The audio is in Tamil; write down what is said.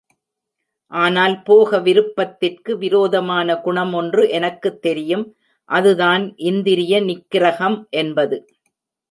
ஆனால் போக விருப்பத்திற்கு விரோதமான குணமொன்று எனக்குத் தெரியும், அதுதான் இந்திரிய நிக்கிரகம் என்பது.